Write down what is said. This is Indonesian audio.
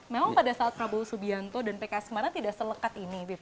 memang pada saat prabowo subianto dan pks kemarin tidak selekat ini